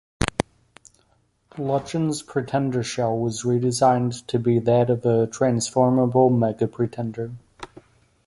Bludgeon's Pretender shell was redesigned to be that of a transformable Mega-Pretender.